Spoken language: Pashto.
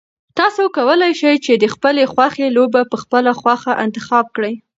تاسو کولای شئ چې د خپلې خوښې لوبه په خپله خوښه انتخاب کړئ.